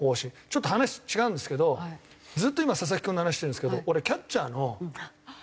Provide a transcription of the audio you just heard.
ちょっと話違うんですけどずっと今佐々木君の話してるんですけど俺キャッチャーの松川君のね。